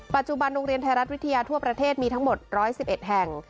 ปัจจุบันโรงเรียนไทยรัฐวิทยาทั่วประเทศมีทั้งหมด๑๑๑แห่ง